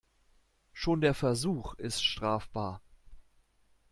Schon der Versuch ist strafbar.